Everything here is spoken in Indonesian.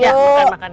ya makan makan ya